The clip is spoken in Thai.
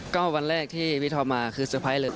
ก็วันแรกที่พี่ท็อปมาคือเตอร์ไพรส์เลย